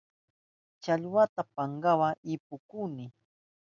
Challwata pankawa ipukuni.